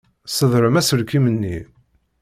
Ssedrem aselkim-nni.